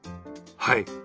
はい。